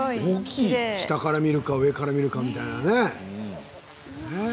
下から見るか上から見るかみたいなね。